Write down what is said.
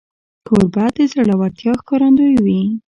کوربه د زړورتیا ښکارندوی وي.